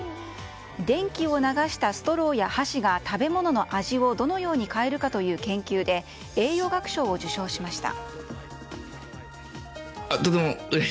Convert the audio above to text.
電気を流したストローや箸が食べ物の味をどのように変えるかという研究で栄養学賞を受賞しました。